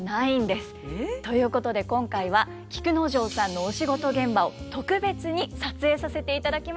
えっ？ということで今回は菊之丞さんのお仕事現場を特別に撮影させていただきました。